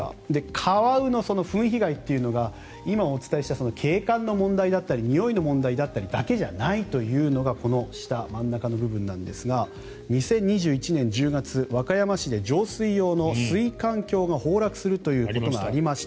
カワウのフン被害というのが今お伝えした景観の問題だったりにおいの問題だったりだけじゃないというのがこの下真ん中の部分なんですが２０２１年１０月和歌山市で上水用の水管橋が崩落するということがありました。